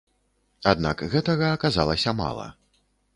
Аднак гэтага аказалася мала.